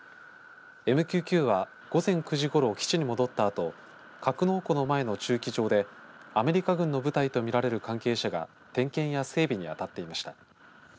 ＭＱ９は午前９時ごろ基地に戻ったあと格納庫の前の駐機場でアメリカ軍の部隊と見られる関係者が点検や整備に当たっていました。